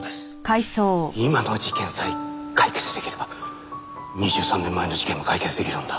今の事件さえ解決出来れば２３年前の事件も解決出来るんだ。